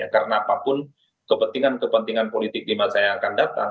karena apapun kepentingan kepentingan politik di mana saya akan datang